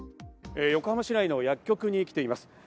横浜市内の薬局に来ています。